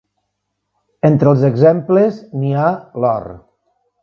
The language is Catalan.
Entre els exemples, n'hi ha l'or.